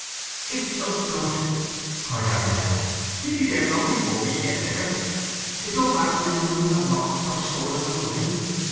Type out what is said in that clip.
"It is no good!" cried Arabella. "He'll be there long before we get there. It don't matter now we know he's not lost or stolen on the way.